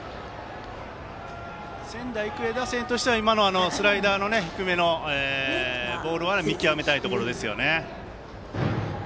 仙台育英打線としては今のスライダーの低めのボールは見極めたいところですよね。